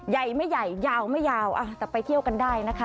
ใหญ่ไม่ใหญ่ยาวไม่ยาวแต่ไปเที่ยวกันได้นะคะ